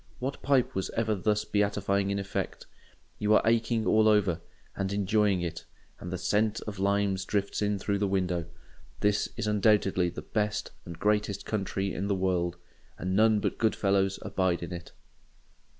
What pipe was ever thus beatifying in effect? You are aching all over, and enjoying it; and the scent of the limes drifts in through the window. This is undoubtedly the best and greatest country in the world; and none but good fellows abide in it.